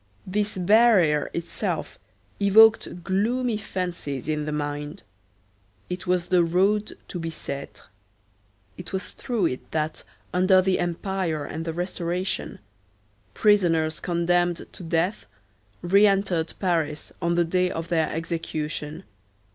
This barrier itself evoked gloomy fancies in the mind. It was the road to Bicêtre. It was through it that, under the Empire and the Restoration, prisoners condemned to death re entered Paris on the day of their execution.